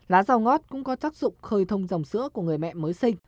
lá rau ngót cũng có tác dụng khơi thông dòng sữa của người mẹ mới sinh